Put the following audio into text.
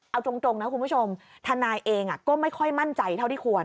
เอาตรงนะคุณผู้ชมทนายเองก็ไม่ค่อยมั่นใจเท่าที่ควร